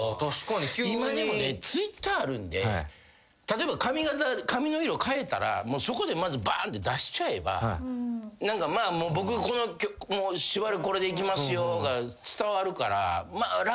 今でもねＴｗｉｔｔｅｒあるんで例えば髪形髪の色変えたらもうそこでまずバーンって出しちゃえば何かまあもう僕しばらくこれでいきますよが伝わるから楽にはなりましたよね。